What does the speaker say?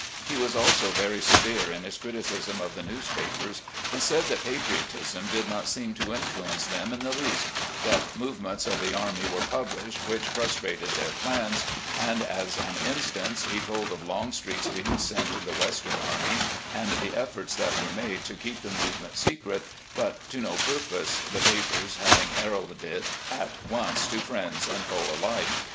He was also very severe in his criticism of the newspapers, and said that patriotism did not seem to influence them in the least, that movements of the army were published which frustrated their plans, and, as an instance, he told of Longstreet's being sent to the Western Army and the efforts that were made to keep the movement secret, but to no purpose, the papers having heralded it at once to friend and foe alike.